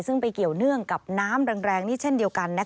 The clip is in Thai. ซึ่งไปเกี่ยวเนื่องกับน้ำแรงนี่เช่นเดียวกัน